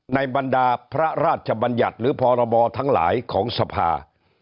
บรรดาพระราชบัญญัติหรือพรบทั้งหลายของสภา